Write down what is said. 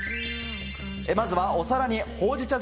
まずはお皿にほうじ茶